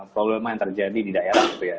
problema yang terjadi di daerah gitu ya